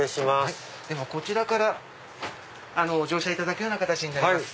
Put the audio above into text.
こちらから乗車いただく形になります。